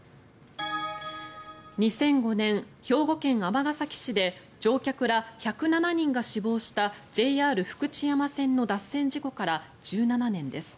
２００５年、兵庫県尼崎市で乗客ら１０７人が死亡したＪＲ福知山線の脱線事故から１７年です。